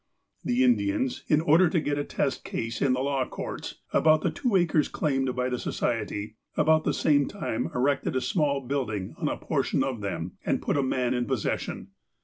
The Indians, in order to get a test case in the law courts about the two acres claimed by the Society, about the same time erected a small building on a portion of them, and put a man in possession.